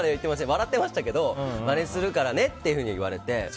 笑ってましたけどまねするからねって言われて。